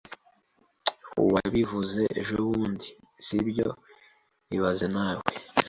Wabivuze ejobundi, sibyo ibaze nawe